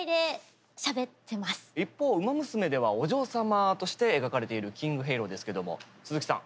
一方「ウマ娘」ではお嬢様として描かれているキングヘイローですけども鈴木さん